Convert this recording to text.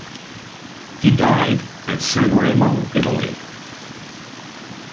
He died at Sanremo, Italy.